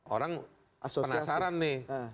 orang penasaran nih